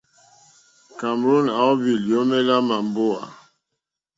Cameroon à óhwì lyǒmélá màmbówà.